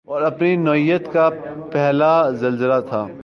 اور اپنی نوعیت کا پہلا زلزلہ تھا